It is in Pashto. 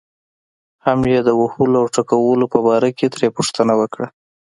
هم یې د وهلو او ټکولو په باره کې ترې پوښتنه وکړه.